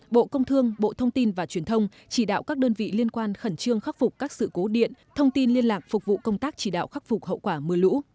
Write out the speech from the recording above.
bộ công thương bộ thông tin và truyền thông chỉ đạo các đơn vị liên quan khẩn trương khắc phục các sự cố điện thông tin liên lạc phục vụ công tác chỉ đạo khắc phục hậu quả mưa lũ